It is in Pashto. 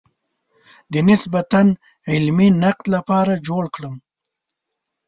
د نسبتاً علمي نقد لپاره جوړ کړم.